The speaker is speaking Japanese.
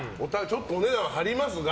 ちょっとお値段は張りますが。